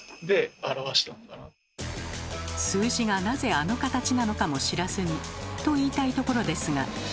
数字がなぜあの形なのかも知らずにと言いたいところですが。